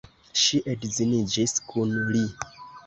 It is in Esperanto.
Ŝi edziniĝis kun li.